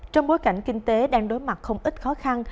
trong bối cảnh kinh tế đang đối mặt không ít khó khăn